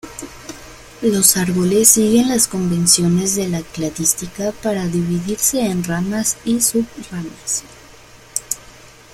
Los árboles siguen las convenciones de la cladística para dividirse en ramas y sub-ramas.